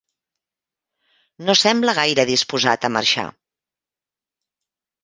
No sembla gaire disposat a marxar.